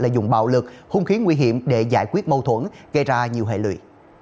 dùng bạo lực hung khí nguy hiểm để giải quyết mâu thuẫn gây ra nhiều hệ lụy